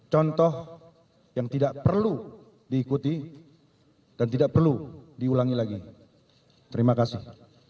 contoh yang tidak perlu diikuti dan tidak perlu diulangi lagi terima kasih